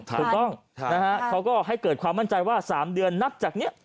ถูกต้องนะฮะเขาก็ให้เกิดความมั่นใจว่า๓เดือนนับจากนี้